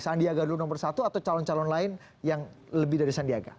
sandiaga dulu nomor satu atau calon calon lain yang lebih dari sandiaga